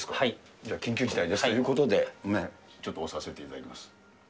じゃあ、緊急事態ですということで、ちょっと押させていただきます。